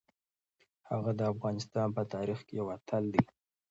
هغه د افغانستان په تاریخ کې یو اتل دی.